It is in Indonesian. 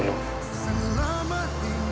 aku akan mencari kamu